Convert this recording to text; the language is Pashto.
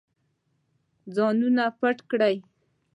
ځانونه پټ کړئ.